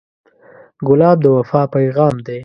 ګلاب د وفا پیغام دی.